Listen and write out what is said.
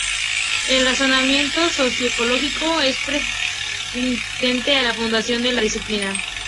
El razonamiento sociológico es preexistente a la fundación de la disciplina.